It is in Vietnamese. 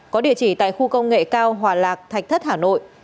có địa chỉ tại khu công nghệ cao hòa lạc thạch thất hà nội